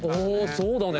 そうだね。